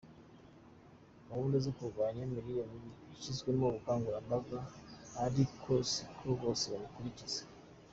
Gahunda zo kurwanya imirire mibi yashyizwemo ubukangurambaga, ari ko si ko bose babikurikiza.